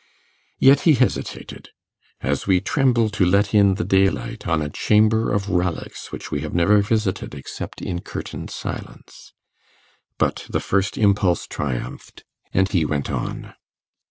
Yet he hesitated; as we tremble to let in the daylight on a chamber of relics which we have never visited except in curtained silence. But the first impulse triumphed, and he went on.